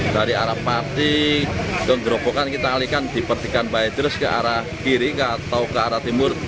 dari arah pati dan gerobokan kita alihkan di pertikan bait terus ke arah kiri atau ke arah timur